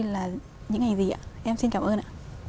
là những ngày gì ạ em xin cảm ơn ạ